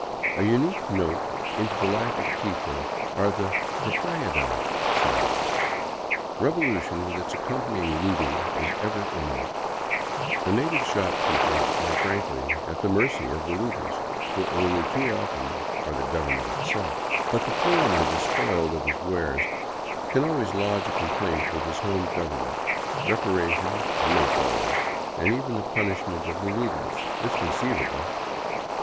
A unique note in the life of Quito are the '' Propiedad "• signs. Revolution, with its accompanying looting, is ever imminent. The na tive shopkeepers are frankly at the mercy of the looters, who only too often are the Government itself. But the foreigner despoiled of his wares can always lodge a complaint with his home Government ; repar ation may follow, and even the punishment of the looters is conceiv able.